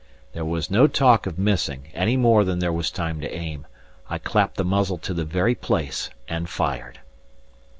There was no talk of missing, any more than there was time to aim; I clapped the muzzle to the very place and fired.